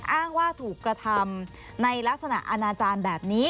อ้างว่าถูกกระทำในลักษณะอาณาจารย์แบบนี้